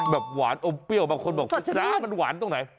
หวานอมเปรี้ยวบางคนบอกน้ำมันหวานตรงไหน